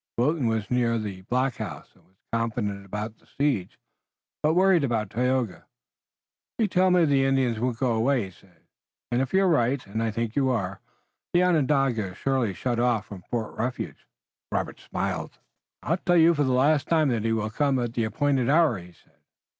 Wilton was near the blockhouse and was confident about the siege, but worried about Tayoga. "You tell me that the Indians won't go away," he said, "and if you're right, and I think you are, the Onondaga is surely shut off from Fort Refuge." Robert smiled. "I tell you for the last time that he will come at the appointed hour," he said.